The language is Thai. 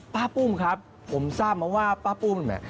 ป้าปุ้มครับผมทราบมาว่าป้าปุ้ม